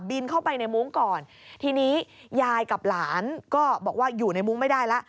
เข้าไปในมุ้งก่อนทีนี้ยายกับหลานก็บอกว่าอยู่ในมุ้งไม่ได้แล้ว